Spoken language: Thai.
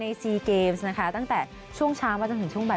ในซีเกมส์นะคะตั้งแต่ช่วงช้าเมื่อถึงช่วงใบ